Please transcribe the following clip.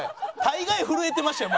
大概震えてましたよ